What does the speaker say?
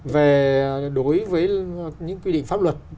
về đối với những quy định pháp luật